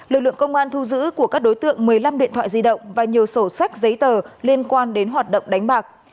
lực lượng công an thu giữ của các đối tượng một mươi năm điện thoại di động và nhiều sổ sách giấy tờ liên quan đến hoạt động đánh bạc